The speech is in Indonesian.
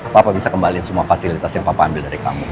papa bisa kembaliin semua fasilitas yang papa ambil dari kamu